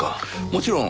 もちろん。